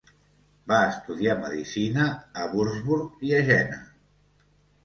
Va estudiar medicina a Würzburg i a Jena.